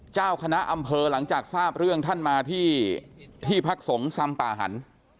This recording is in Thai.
เจ้าคณะอำเภอหลังจากทราบเรื่องท่านมาที่ที่พักสงฆ์สำป่าหัน